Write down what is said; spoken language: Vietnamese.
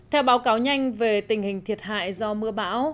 theo báo cáo nhanh về tình hình thiệt hại do mưa bão